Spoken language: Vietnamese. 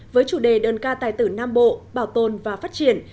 với chủ đề đơn ca tài tử nam bộ bảo tồn và phát triển